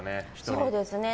そうですね。